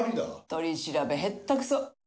取調べ、下手くそ！